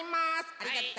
ありがとう！